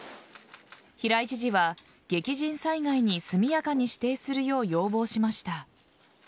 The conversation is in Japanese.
平井知事は激甚災害に速やかに指定するよう要望しました。